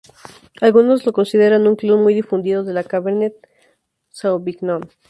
Algunos la consideran "un clon muy difundido de la cabernet sauvignon".